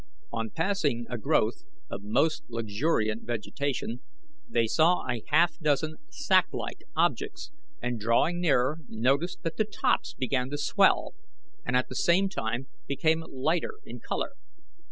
On passing a growth of most luxuriant vegetation, they saw a half dozen sacklike objects, and drawing nearer noticed that the tops began to swell, and at the same time became lighter in colour.